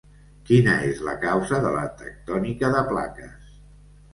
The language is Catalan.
Quina és la causa de la tectònica de plaques